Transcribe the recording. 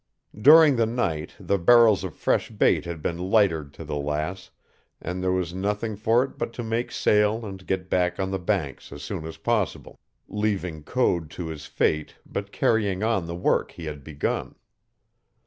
During the night the barrels of fresh bait had been lightered to the Lass, and there was nothing for it but to make sail and get back on the Banks as soon as possible, leaving Code to his fate but carrying on the work he had begun.